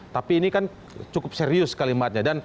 tapi ini kan cukup serius kalimatnya